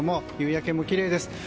夕焼けもきれいです。